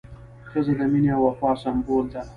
ښځه د مینې او وفا سمبول ده.